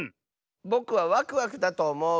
ぼくはワクワクだとおもう。